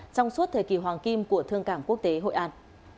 trong suốt thời kỳ hoàng kim của thương cảng quốc tế hội an